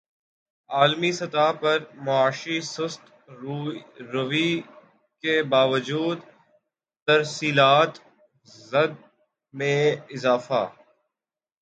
عالمی سطح پر معاشی سست روی کے باوجود ترسیلات زر میں اضافہ